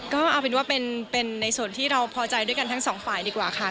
ก็เอาเป็นว่าเป็นในส่วนที่เราพอใจด้วยกันทั้งสองฝ่ายดีกว่าค่ะ